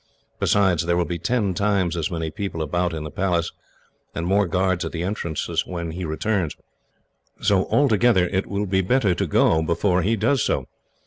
Besides, there will be ten times as many people about, in the Palace, and more guards at the entrances when he returns. So, altogether, it will be better to go before he does so.